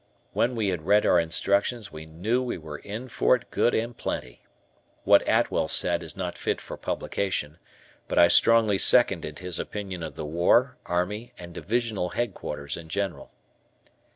When we had read our instructions we knew we were in for it good and plenty. What Atwell said is not fit for publication, but I strongly seconded his opinion of the War, Army, and Divisional Headquarters in general.